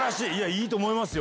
いいと思いますよ。